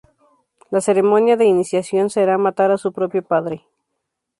La ceremonia de iniciación será matar a su propio padre.